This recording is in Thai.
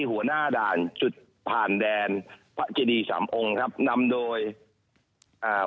หัวหน้าด่านจุดผ่านแดนพระเจดีสามองค์ครับนำโดยอ่า